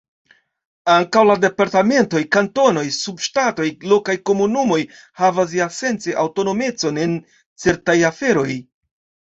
Ankaŭ la departementoj, kantonoj, subŝtatoj, lokaj komunumoj havas iasence aŭtonomecon en certaj aferoj.